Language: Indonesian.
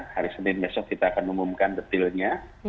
hari senin besok kita akan umumkan detailnya